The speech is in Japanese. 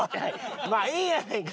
まあええやないか。